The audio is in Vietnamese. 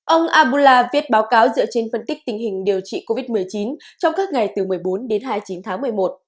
ông abula viết báo cáo dựa trên phân tích tình hình điều trị covid một mươi chín trong các ngày từ một mươi bốn đến hai mươi chín tháng một mươi một